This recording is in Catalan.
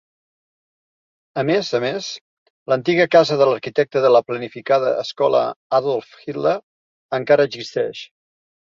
A més a més, l'antiga casa de l'arquitecte de la planificada Escola Adolf Hitler encara existeix.